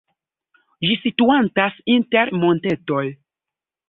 Ĝi situantas inter montetoj.